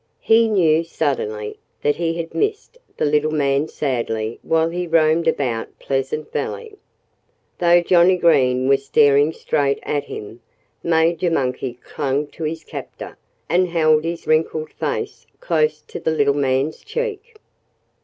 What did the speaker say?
He knew, suddenly, that he had missed the little man sadly while he roamed about Pleasant Valley. Though Johnnie Green was staring straight at him, Major Monkey clung to his captor and held his wrinkled face close to the little man's cheek.